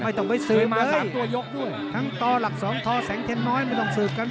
ไม่ต้องไปสืบเลยทั้งต่อหลัก๒ท่อแสงเทียนน้อยไม่ต้องสืบกัน